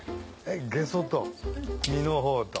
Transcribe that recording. ゲソと身の方と。